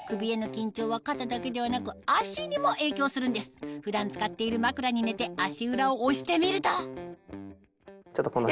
さらに普段使っている枕に寝て足裏を押してみるとちょっとこの辺。